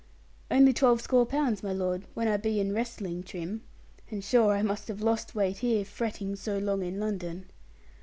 'Only twelvescore pounds, my lord, when I be in wrestling trim. And sure I must have lost weight here, fretting so long in London.'